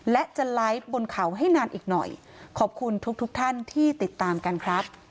และจะไลฟ์บนเขาให้นานอีกหน่อยขอบคุณทุกทุกท่านที่ติดตามกันครับ